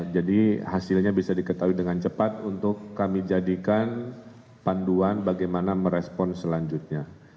jadi hasilnya bisa diketahui dengan cepat untuk kami jadikan panduan bagaimana merespon selanjutnya